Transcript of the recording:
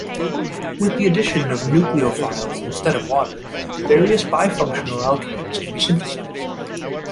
With the addition of nucleophiles, instead of water, various bifunctional alkanes can be synthesized.